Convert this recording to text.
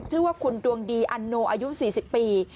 ชื่อว่าคุณดวงดีอันโนอายุ๔๐ปี